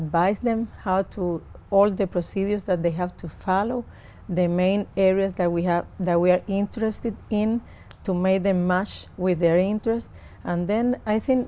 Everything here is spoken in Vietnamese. vậy các bác sĩ nghĩ về hợp lý doanh nghiệp giữa hai nước không